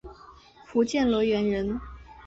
福建罗源人。